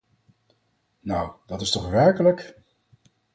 Nou, dat is toch werkelijk ...